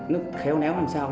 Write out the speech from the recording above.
nó khéo néo làm sao